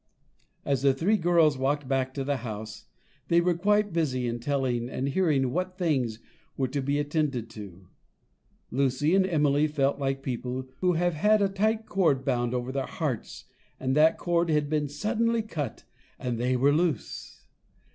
As the three girls walked back to the house, they were quite busy in telling and hearing what things were to be attended to. Lucy and Emily felt like people who have had a tight cord bound over their hearts, and that cord had been suddenly cut, and they were loose.